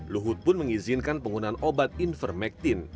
luhut pun mengizinkan penggunaan obat ivermectin